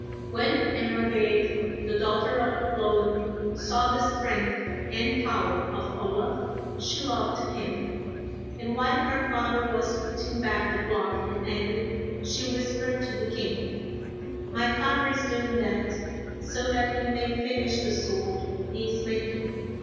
When Emergaid, the daughter of Loan, saw the strength and power of Olaf, she loved him; and while her father was putting back the block and anvil, she whispered to the king: 'My Father is doing that, so that he may finish the sword he is making.